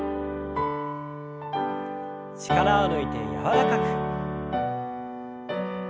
力を抜いて柔らかく。